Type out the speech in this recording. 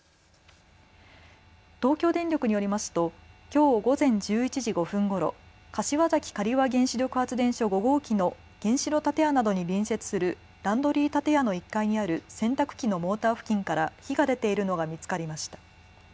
東京電力によりますときょう午前１１時５分ごろ柏崎刈羽原子力発電所５号機の原子炉建屋などに隣接するランドリ建屋の１階にある洗濯機のモーター付近から火が出ているのが見つかりました。